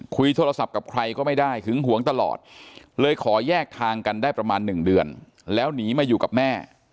คุยโทรศัพท์กับใครก็ไม่ได้หึงหวงตลอดเลยขอแยกทางกันได้ประมาณ๑เดือนแล้วหนีมาอยู่กับแม่